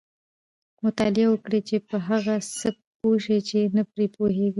مطالعه وکړئ! چي په هغه څه پوه سئ، چي نه پرې پوهېږئ.